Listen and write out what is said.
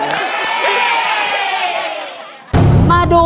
ปล่อยเร็วเร็ว